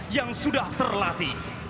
yang sudah terlatih